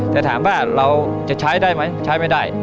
แต่ถามว่าเราจะใช้ได้ไหมใช้ไม่ได้